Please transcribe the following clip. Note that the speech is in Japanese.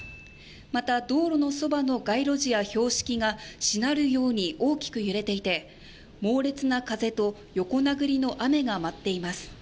また、道路のそばの街路樹や標識がしなるように大きく揺れていて猛烈な風と横殴りの雨が舞っています。